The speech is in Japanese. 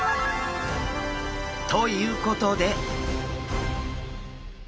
ということで。